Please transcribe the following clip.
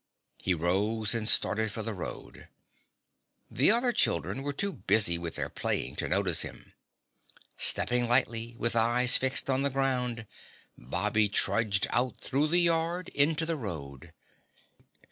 He rose and started for the road. The other children were too busy with their playing to notice him. Stepping lightly, with eyes fixed on the ground, Bobby trudged out through the yard into the road.